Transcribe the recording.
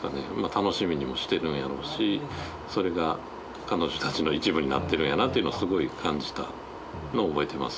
楽しみにもしてるんやろうしそれが彼女たちの一部になってるんやなっていうのをすごい感じたのを覚えてます。